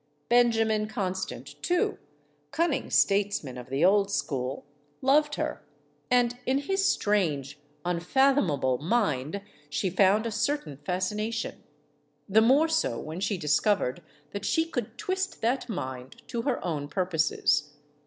Benjamin Constant, too cunning statesman of the old school loved her. And in his strange, unfathom able mind she found a certain fascination; the more so when she discovered that she could twist that mind to her own purposes.